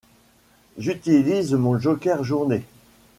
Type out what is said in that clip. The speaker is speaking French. J’utilise mon joker-journée.